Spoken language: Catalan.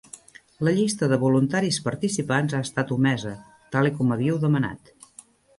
La llista de voluntaris participants ha estat omesa, tal i com havíeu demanat.